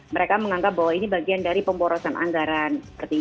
mereka menganggap bahwa ini bagian dari pemborosan anggaran